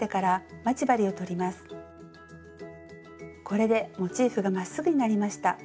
これでモチーフがまっすぐになりました。